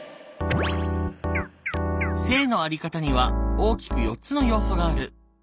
性のあり方には大きく４つの要素がある。